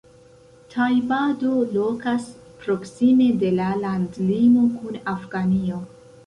Tajbado lokas proksime de la landlimo kun Afganio.